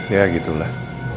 ya gitu lah